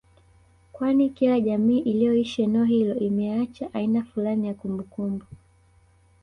kwani kila jamii iliyoishi eneo hilo imeacha aina fulani ya kumbukumbu